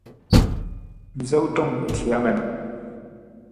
Part of the follow-up certification is a one-day factory audit.